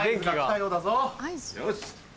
よし。